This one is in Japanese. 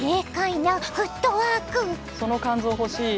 その肝臓欲しい。